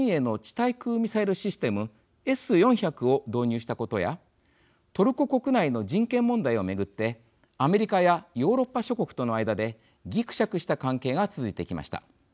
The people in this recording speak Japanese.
対空ミサイルシステムＳ−４００を導入したことやトルコ国内の人権問題を巡ってアメリカやヨーロッパ諸国との間でぎくしゃくした関係が続いてきました。